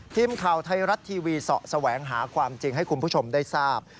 ทีมข่าวไทยรัฐทีวีเสาะแสวงหาความจริงให้คุณผู้ชมได้ทราบ